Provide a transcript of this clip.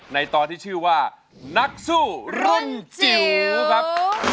ในตอนที่ชื่อว่านักสู้รุ่นจิ๋วครับ